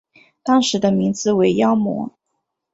当时的名字为妖魔。